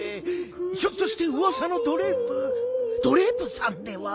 ひょっとしてうわさのドレープドレープさんでは？